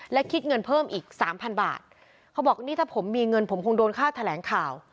และคิดเงินเพิ่มอีกสามพันบาทเขาบอกนี่ถ้าผมมีเงินผมคงโดนค่าแถลงข่าว